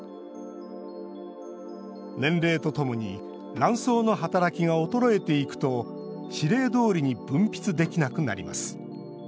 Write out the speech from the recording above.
年齢とともに卵巣の働きが衰えていくと指令どおりに分泌できなくなります。